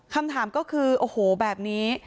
คำถามก็คือโอ้โหแบบนี้